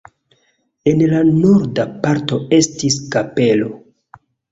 En la norda parto estis kapelo.